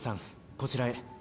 こちらへ。